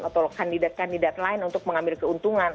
atau kandidat kandidat lain untuk mengambil keuntungan